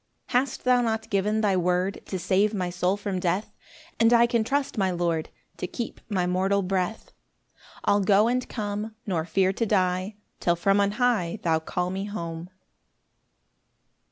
4 Hast thou not given thy word To save my soul from death? And I can trust my Lord To keep my mortal breath; I'll go and come, Nor fear to die, Till from on high Thou call me home.